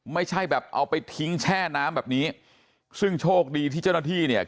ไม่ใช่แบบเอาไปทิ้งแช่น้ำแบบนี้ซึ่งโชคดีที่เจ้าหน้าที่เนี่ย